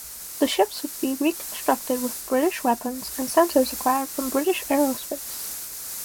The ships would be reconstructed with British weapons and sensors acquired from British Aerospace.